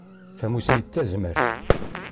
Tamussni d tazmert.